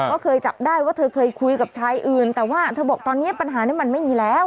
ก็เคยจับได้ว่าเธอเคยคุยกับชายอื่นแต่ว่าเธอบอกตอนนี้ปัญหานี้มันไม่มีแล้ว